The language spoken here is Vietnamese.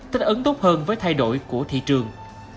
thích ứng tốt hơn với thay đổi của thị trường